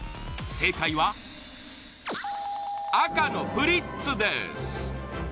正解は赤のプリッツです